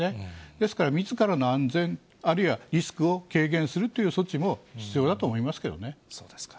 ですからみずからの安全、あるいはリスクを軽減するという措置もそうですか。